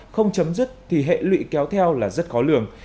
không chấm dứt thì hệ lụy kéo theo là rất khó lường